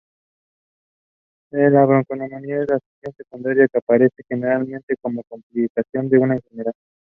She initially did not plan on releasing them.